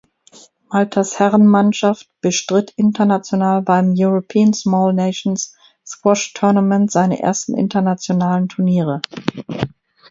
Maltas Herrenmannschaft bestritt international beim European Small Nations Squash Tournament seine ersten internationalen Turniere.